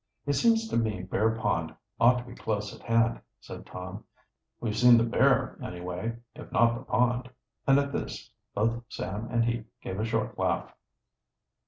"It seems to me Bear Pond ought to be close at hand," said Tom. "We've seen the bear anyway, if not the pond." And at this both Sam and he gave a short laugh.